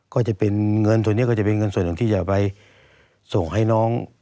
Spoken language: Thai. ก็จะเป็นเงินส่วนหนึ่งที่จะไปส่งให้น้อง